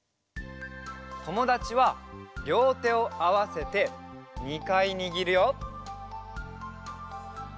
「ともだち」はりょうてをあわせて２かいにぎるよ。